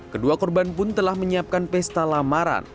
kedua korban pun telah menyiapkan pesta lamaran